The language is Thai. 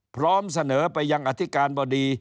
พร้อมเสนอไปยังอธิการบดี